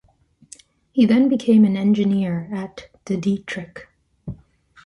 He then became an engineer at De Dietrich.